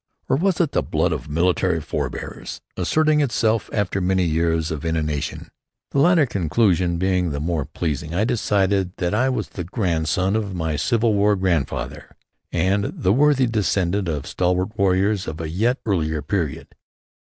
Or was it the blood of military forebears asserting itself after many years of inanition? The latter conclusion being the more pleasing, I decided that I was the grandson of my Civil War grandfather, and the worthy descendant of stalwart warriors of a yet earlier period.